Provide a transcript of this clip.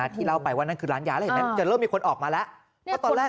ที่เล่าไปว่านั่นคือร้านยาแล้วเห็นไหมจะเริ่มมีคนออกมาแล้ว